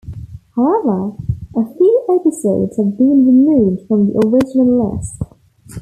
However, a few episodes have been removed from the original list.